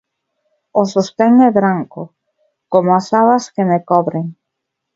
O sostén é branco, como as sabas que me cobren.